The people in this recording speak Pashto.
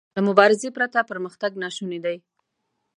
له مبارزې پرته پرمختګ ناشونی دی.